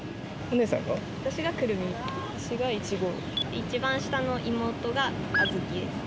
一番下の妹が小豆です。